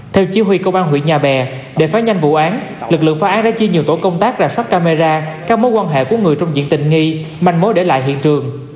theo chí huy công an huyện nhà bè để phá nhanh vụ án lực lượng phá án đã chia nhiều tổ công tác rà soát camera các mối quan hệ của người trong diện tình nghi manh mối để lại hiện trường